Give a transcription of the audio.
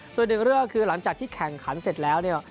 ส่วนหนึ่งเรื่องคือหลังจากที่แข่งขันเสร็จแล้วเนี่ย